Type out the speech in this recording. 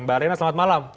mbak lena selamat malam